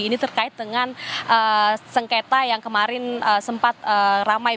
ini terkait dengan sengketa yang kemarin sempat ramai